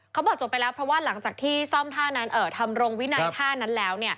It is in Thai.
เขาบอกจบไปแล้วเพราะว่าหลังจากที่ซ่อมทำรงวินัยท่านั้นแล้ว